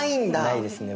ないですね